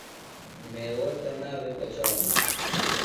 میوہ کنا بھےۡ پچانوۡ؟